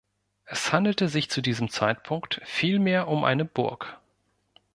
Es handelte sich zu diesem Zeitpunkt vielmehr um eine „Burg“.